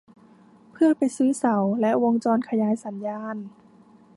เพื่อไปซื้อเสาและวงจรขยายสัญญาณ